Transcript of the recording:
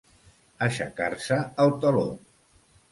Aixecar-se el teló.